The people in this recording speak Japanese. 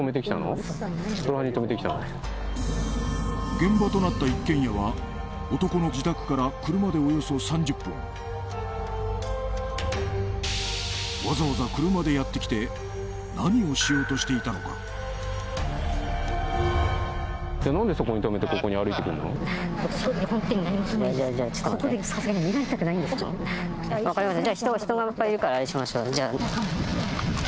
現場となった一軒家は男の自宅から車でおよそ３０分わざわざ車でやってきてじゃじゃじゃちょっと待って分かりました